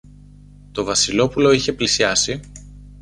Το Βασιλόπουλο είχε πλησιάσει